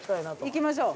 行きましょう。